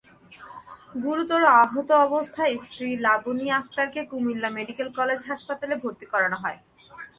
গুরুতর আহতাবস্থায় স্ত্রী লাবণী আক্তারকে কুমিল্লা মেডিকেল কলেজ হাসপাতালে ভর্তি করানো হয়।